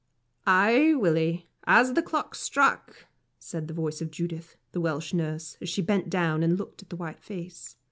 "Ay, Willie, as the clock struck!" said the voice of Judith, the Welsh nurse, as she bent down and looked at the white face.